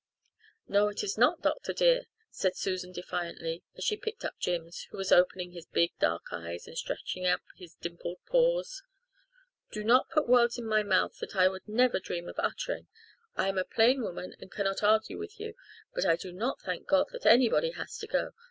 "No, it is not, doctor dear," said Susan defiantly, as she picked up Jims, who was opening his big dark eyes and stretching up his dimpled paws. "Do not you put words in my mouth that I would never dream of uttering. I am a plain woman and cannot argue with you, but I do not thank God that anybody has to go.